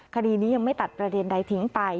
คดีนี้ยังไม่ตัดประเด็นใดทิ้งไป